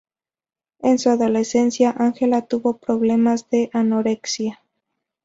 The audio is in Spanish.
En su adolescencia, Angela tuvo problemas de anorexia.